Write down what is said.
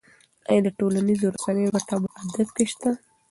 ایا د ټولنیزو رسنیو ګټه په ادب کې شته؟